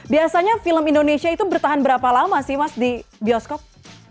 biasanya film indonesia itu bertahan berapa lama sih mas di bioskop